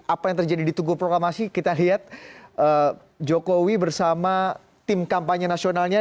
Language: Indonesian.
apa yang terjadi di tugu proklamasi kita lihat jokowi bersama tim kampanye nasionalnya